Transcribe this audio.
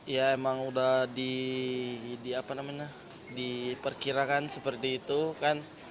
ya emang udah diperkirakan seperti itu kan